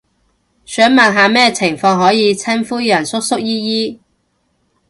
想問下咩情況可以稱呼人做叔叔姨姨？